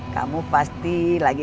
kamu pasti lagi